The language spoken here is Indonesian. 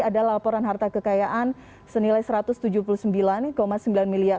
ada laporan harta kekayaan senilai rp satu ratus tujuh puluh sembilan sembilan miliar